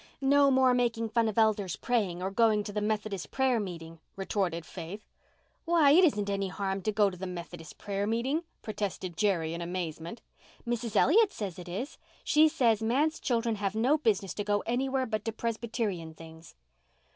"No more making fun of elders praying or going to the Methodist prayer meeting," retorted Faith. "Why, it isn't any harm to go to the Methodist prayer meeting," protested Jerry in amazement. "Mrs. Elliott says it is, She says manse children have no business to go anywhere but to Presbyterian things."